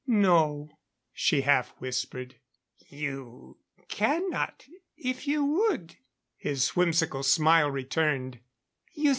"No," she half whispered. "You cannot if you would." His whimsical smile returned.